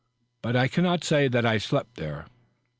But I cannot say that I slept there.